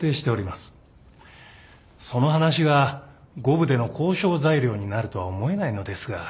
その話が五分での交渉材料になるとは思えないのですが。